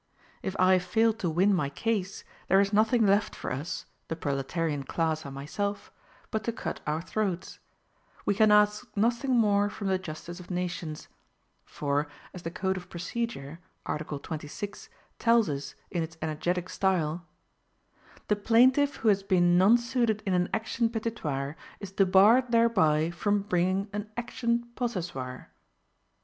If I fail to win my case, there is nothing left for us (the proletarian class and myself) but to cut our throats: we can ask nothing more from the justice of nations; for, as the code of procedure (art 26) tells us in its energetic style, THE PLAINTIFF WHO HAS BEEN NON SUITED IN AN ACTION PETITOIRE, IS DEBARRED THEREBY FROM BRINGING AN ACTION POSSESSOIRE.